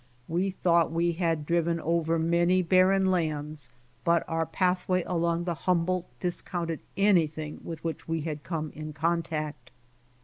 We thought we had driven over many barren lands, but our pathway along the Humboldt discounted anything with which we had come in contact.